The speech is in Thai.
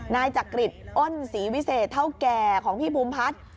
นายจักริจอ้นศรีวิเศษเท่าแก่ของพี่ภูมิพัฒน์